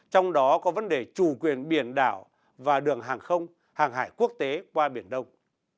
trong đó có vấn đề chủ quyền biển đảo và đường hàng không hàng hải quốc tế qua biển đông